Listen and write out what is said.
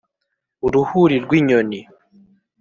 uruhuri rw’inyoni